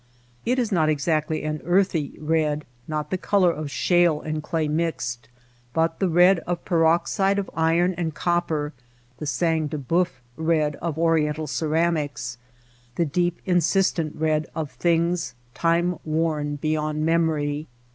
It is not exactly an earthy red, not the color of shale and clay mixed ; but the red of peroxide of iron and copper, the sang du hceuf red of oriental ceramics, the deep insistent red of things time worn beyond memory.